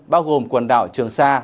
bao gồm quần đảo trường sa